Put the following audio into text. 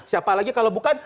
siapa lagi kalau bukan